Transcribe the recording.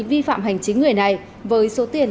vi phạm hành chính người này với số tiền